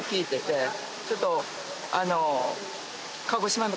ちょっとあの。